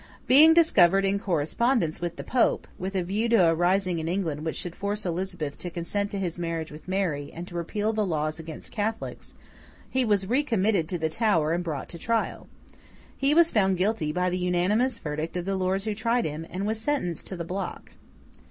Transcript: Being discovered in correspondence with the Pope, with a view to a rising in England which should force Elizabeth to consent to his marriage with Mary and to repeal the laws against the Catholics, he was re committed to the Tower and brought to trial. He was found guilty by the unanimous verdict of the Lords who tried him, and was sentenced to the block.